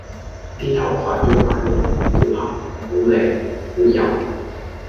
啲頭髮郁啊郁，好黑！好靚！好柔！